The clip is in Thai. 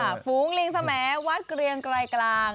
ฝูงลิงสมัยวัดเกรียงไกรกลาง